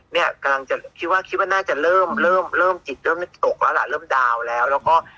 เนี่ยกำลังจะคิดว่าคิดว่าน่าจะเริ่มเริ่มจิตเริ่มตกแล้วล่ะเริ่มดาวน์แล้วแล้วก็